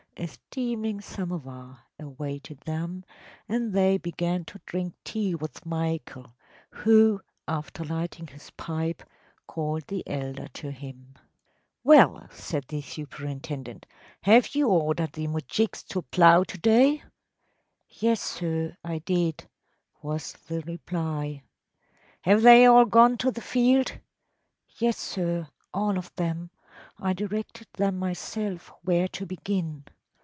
A steaming samovar awaited them, and they began to drink tea with Michael, who, after lighting his pipe, called the elder to him. ‚ÄúWell,‚ÄĚ said the superintendent, “have you ordered the moujiks to plough to day?‚ÄĚ “Yes, sir, I did,‚ÄĚ was the reply. “Have they all gone to the field?‚ÄĚ “Yes, sir; all of them. I directed them myself where to begin.